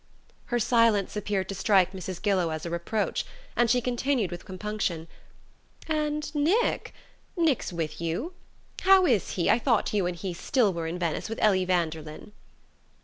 Her silence appeared to strike Mrs. Gillow as a reproach, and she continued with compunction: "And Nick? Nick's with you? How is he, I thought you and he still were in Venice with Ellie Vanderlyn."